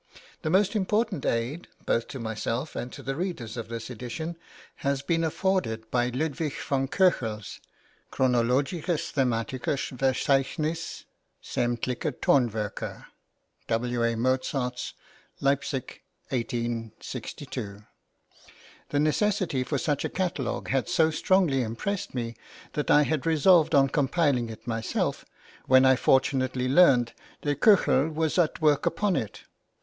The most important aid, both to myself and to the readers of this edition, has been afforded by Ludwig v. Köchel's "Chronologischthematisches Verzeichniss sammtlicher Tonwerke W. A. Mozarts" (Leipzig, 1862). The necessity for such a catalogue had so strongly impressed me that I had resolved on compiling it myself, when I fortunately learned that Köchel was at work upon it.